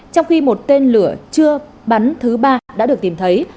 trong khi một tên lửa chưa bắn thứ ba đã được tìm thấy